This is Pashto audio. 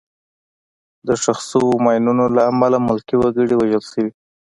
د ښخ شوو ماینونو له امله ملکي وګړي وژل شوي.